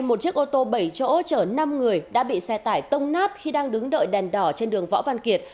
một chiếc ô tô bảy chỗ chở năm người đã bị xe tải tông nát khi đang đứng đợi đèn đỏ trên đường võ văn kiệt